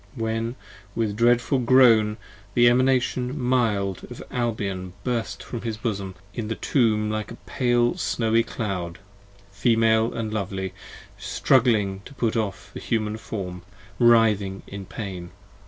When with a dreadful groan the Emanation mild of Albion Burst from his bosom in the Tomb like a pale snowy cloud, Female and lovely, struggling to put off the Human form, 50 Writhing in pain.